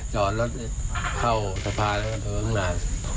จอนรถเข้าสะพานแล้วก็รุ่งนาน